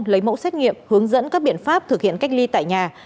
lấy mẫu xét nghiệm hướng dẫn các biện pháp thực hiện cách ly tại nhà